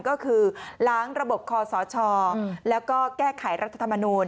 ก็คือล้างระบบคอสชแล้วก็แก้ไขรัฐธรรมนูล